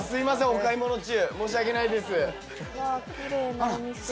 お買い物中申し訳ないです。